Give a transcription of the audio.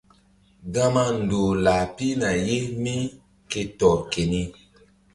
Gama ndoh lah pihna ye mí ke tɔr keni.